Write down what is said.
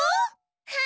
はい。